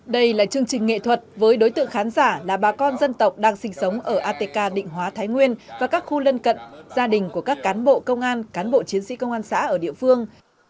đây là chương trình nghệ thuật với đối tượng khán giả là bà con dân tộc đang sinh sống ở atk định hóa thái nguyên và các khu lân cận gia đình của các cán bộ công an cán bộ chiến sĩ công an xã ở địa phương